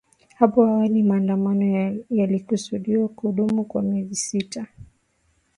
Hapo awali maandamano yalikusudiwa kudumu kwa miezi sita.